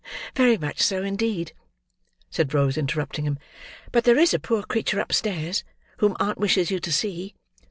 very much so, indeed," said Rose, interrupting him; "but there is a poor creature upstairs, whom aunt wishes you to see."